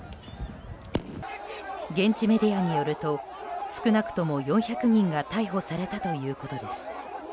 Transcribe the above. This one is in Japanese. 現地メディアによると少なくとも４００人が逮捕されたということです。